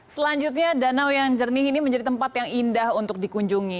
selanjutnya danau yang jernih ini menjadi tempat yang indah untuk dikunjungi